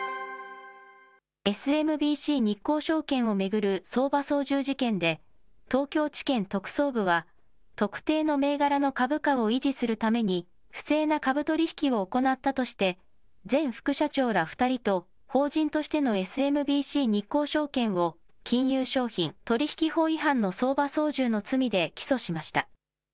ＳＭＢＣ日興証券を巡る相場操縦事件で、東京地検特捜部は、特定の銘柄の株価を維持するために不正な株取り引きを行ったとして、前副社長ら２人と法人としてのＳＭＢＣ日興証券を金融商品取引法違反の相場操縦の罪で起訴しました。